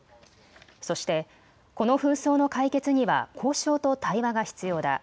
そしてこの紛争の解決には交渉と対話が必要だ。